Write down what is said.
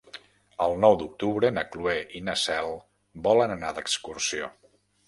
El nou d'octubre na Cloè i na Cel volen anar d'excursió.